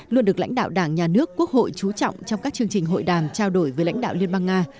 luôn được lãnh đạo đảng nhà nước quốc hội chú trọng trong các chương trình hội đàm trao đổi với lãnh đạo liên bang nga